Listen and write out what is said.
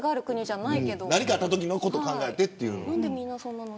何かあったときのことを考えてっていう。